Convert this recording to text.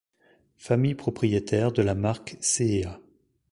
Famille propriétaire de la marque C&A.